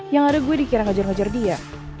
yang ada gue dikira ngejar ngejar dia